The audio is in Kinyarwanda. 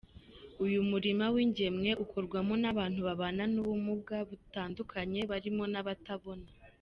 Uyu murima w’ingemwe ukorwamo n’abantu babana n’ubumuga butandukanye barimo n’abatabona.